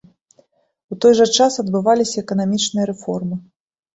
У той жа час адбываліся эканамічныя рэформы.